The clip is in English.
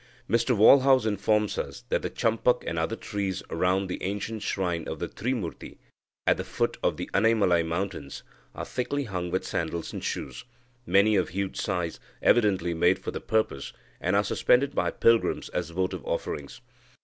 Mr Walhouse informs us that the champak and other trees round the ancient shrine of the Trimurti at the foot of the Anaimalai mountains are thickly hung with sandals and shoes, many of huge size, evidently made for the purpose, and suspended by pilgrims as votive offerings.